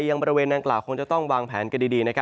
ยังบริเวณนางกล่าวคงจะต้องวางแผนกันดี